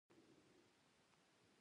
ایا زه باید د ملا عملیات وکړم؟